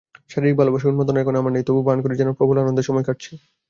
শারীরিক ভালবাসার উন্মাদনা এখন আমার নেই- তবু ভান করি যেন প্রবল আনন্দে সময় কাটছে।